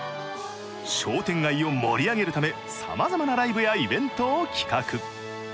商店街を盛り上げるためさまざまなライブやイベントを企画。